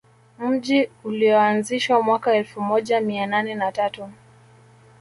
Mji ulioanzishwa mwaka elfu moja mia nane na tatu